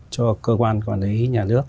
cho cơ quan quản lý nhà nước